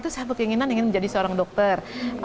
saya mempengen menjadi seorang dokter